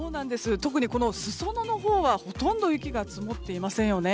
特に、すそ野はほとんど雪が積もっていません。